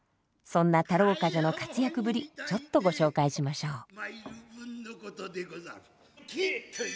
そんな太郎冠者の活躍ぶりちょっとご紹介しましょう。